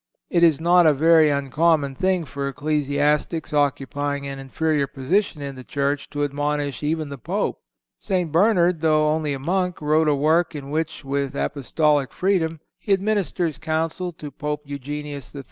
It is not a very uncommon thing for ecclesiastics occupying an inferior position in the Church to admonish even the Pope. St. Bernard, though only a monk, wrote a work in which, with Apostolic freedom, he administers counsel to Pope Eugenius III.